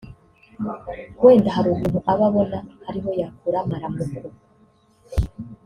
wenda hari ukuntu aba abona ari ho yakura amaramuko